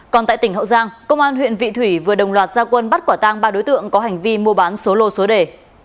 còn tại tỉnh hậu giang công an huyện vị thủy vừa đồng loạt gia quân bắt quả tang ba đối tượng có hành vi mua bán số lô số đề